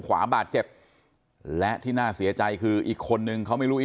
ขวาบาดเจ็บและที่น่าเสียใจคืออีกคนนึงเขาไม่รู้อี